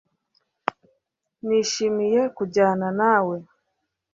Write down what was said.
Nishimiye kujyana nawe